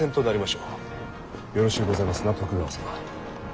よろしゅうございますな徳川様。